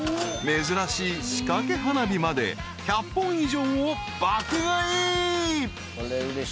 珍しい仕掛け花火まで１００本以上を爆買い］